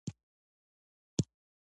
رسۍ شلېدلې باور له منځه وړي.